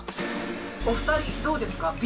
お二人どうですか？